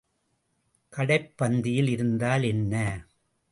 கடைப் பந்தியில் இருந்தால் என்ன?